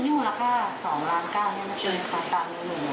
ร้อยหนึ่งนิ้วละค่ะ๒ล้าน๙นึงนะครับตามหนึ่งครับ